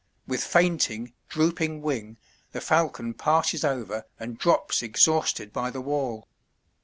With fainting, drooping wing the falcon passes over and drops exhausted by the wall.